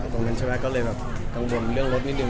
กำลังมาดูรถเลยต้องกำลังเรื่องรถนิดนึง